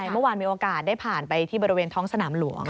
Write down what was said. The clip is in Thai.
เมื่อวานมีโอกาสได้ผ่านไปที่บริเวณท้องสนามหลวง